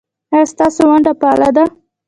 ایا ستاسو ونډه فعاله ده؟